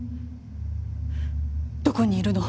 どこにいるの？